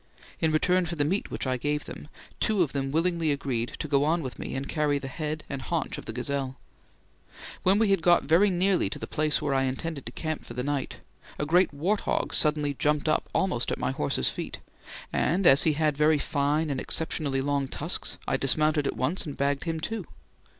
In return for the meat which I gave them, two of them willingly agreed to go on with me and carry the head and haunch of the gazelle. When we had got very nearly to the place where I intended to camp for the night, a great wart hog suddenly jumped up almost at my horse's feet, and as he had very fine and exceptionally long tusks, I dismounted at once and bagged him too.